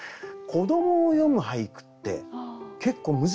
子どもを詠む俳句って結構難しいんですよ。